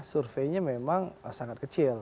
surveinya memang sangat kecil